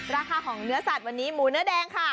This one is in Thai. ราคาของเนื้อสัตว์วันนี้หมูเนื้อแดงค่ะ